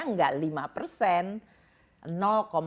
tidak lima persen